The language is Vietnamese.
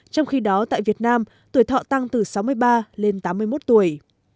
trong khi đó tại việt nam tuổi thọ tăng từ sáu mươi ba tuổi lên bảy mươi tám tuổi vào năm hai nghìn một mươi năm